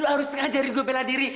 lo harus ngajarin gue bela diri